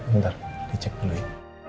bentar dicek dulu ya